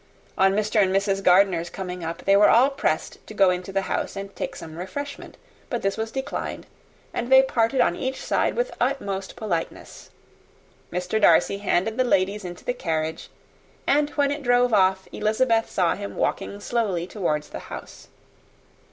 On Mr. and Mrs. Gardiner's coming up they were all pressed to go into the house and take some refreshment; but this was declined, and they parted on each side with the utmost politeness. Mr. Darcy handed the ladies into the carriage; and when it drove off, Elizabeth saw him walking slowly towards the house.